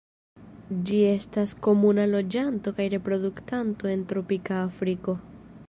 Ĝi estas komuna loĝanto kaj reproduktanto en tropika Afriko.